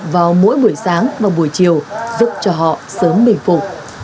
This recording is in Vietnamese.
vào mỗi buổi sáng và buổi chiều giúp cho họ sớm bình phục